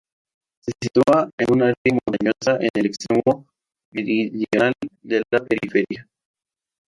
Se sitúa en un área montañosa en el extremo meridional de la periferia.